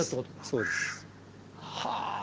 そうです。はあ。